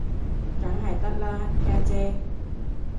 梗係得啦，家姐